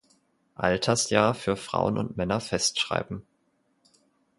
Altersjahr für Frauen und Männer festschreiben.